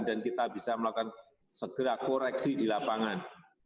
dan kita bisa melakukan segera koreksi di lapangan